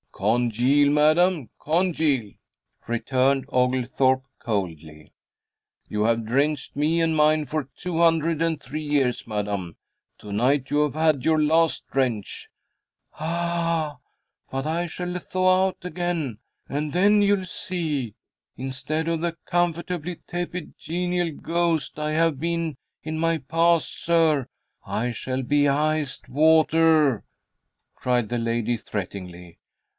"Congeal, madam, congeal!" returned Oglethorpe, coldly. "You have drenched me and mine for two hundred and three years, madam. To night you have had your last drench." "Ah, but I shall thaw out again, and then you'll see. Instead of the comfortably tepid, genial ghost I have been in my past, sir, I shall be iced water," cried the lady, threateningly.